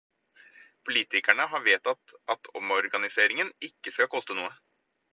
Politikerne har vedtatt at omorganiseringen ikke skal koste noe.